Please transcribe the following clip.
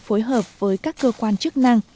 phối hợp với các cơ quan chức năng